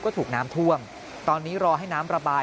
ก็ถูกน้ำท่วมตอนนี้รอให้น้ำระบาย